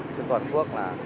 trên toàn quốc là